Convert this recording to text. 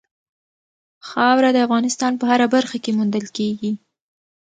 خاوره د افغانستان په هره برخه کې موندل کېږي.